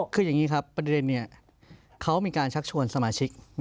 คืออย่างนี้ครับประเด็นนี้เขามีการชักชวนสมาชิก